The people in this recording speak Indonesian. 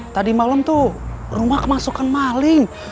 tadi malam tuh rumah kemasukan maling